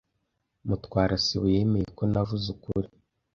Mutwara sibo yemeye ko navuze ukuri.